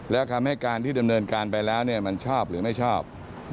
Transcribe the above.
แล้วคำให้การที่ดำเนินการไปแล้วมันชอบหรือไม่ชอบ